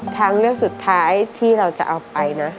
ทางเลือกสุดท้ายที่เราจะเอาไปนะ